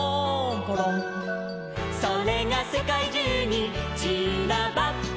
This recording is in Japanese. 「それがせかいじゅうにちらばって」